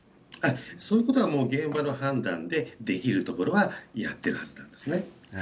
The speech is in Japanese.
そういうことはもう現場の判断で、できるところはやってるはずなんですね。